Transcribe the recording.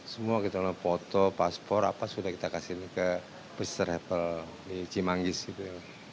semua kita foto paspor apa sudah kita kasih ke first travel di cimanggis gitu ya